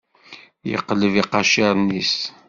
Yeqleb iqaciren-is.